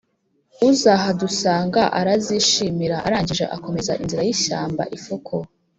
uzahadusanga." arazishimira, arangije akomeza inzira y'ishyamba, ifuku